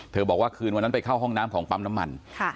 บอกว่าคืนวันนั้นไปเข้าห้องน้ำของปั๊มน้ำมัน